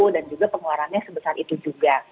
dan juga pengeluarannya sebesar itu juga